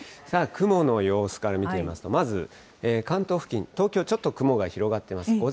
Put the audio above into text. さあ、雲の様子から見てみますと、まず、関東付近、東京、ちょっと雲が広がっています。